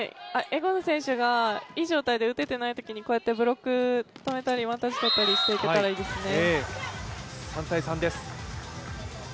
エゴヌ選手がいい状態で打てていないときにこうやってブロック止めたり、ワンタッチとっていけたりしたらいいですね。